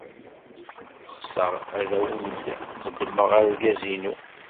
Ɣseɣ ad awent-d-qeddmeɣ argaz-inu.